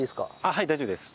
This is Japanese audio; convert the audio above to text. はい大丈夫です。